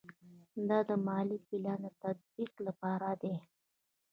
دا د مالي پلان د تطبیق لپاره دی.